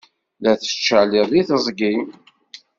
La tettcaliḍ deg teẓgi.